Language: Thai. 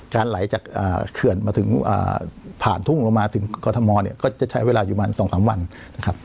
ไหลจากเขื่อนมาถึงผ่านทุ่งลงมาถึงกรทมเนี่ยก็จะใช้เวลาอยู่ประมาณ๒๓วันนะครับ